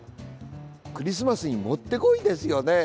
クリスマスにもってこいですよね。